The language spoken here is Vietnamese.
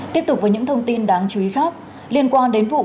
tiếp tục với những thông tin đáng chú ý khác liên quan đến vụ